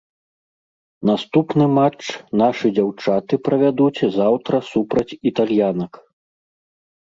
Наступны матч нашы дзяўчаты правядуць заўтра супраць італьянак.